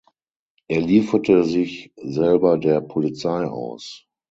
Er lieferte sich selber der Polizei aus.